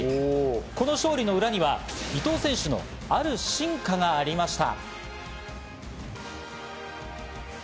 この勝利の裏には伊藤選手のある進化がありました。